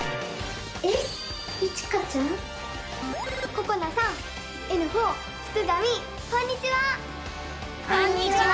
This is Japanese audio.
こんにちは！